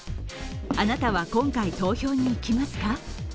あなたは今回投票に行きますか？